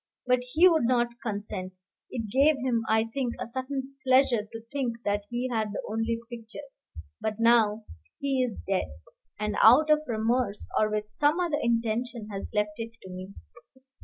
But he would not consent. It gave him, I think, a certain pleasure to think that he had the only picture. But now he is dead, and out of remorse, or with some other intention, has left it to me."